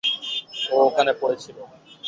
সে ওখানে পড়েছিল।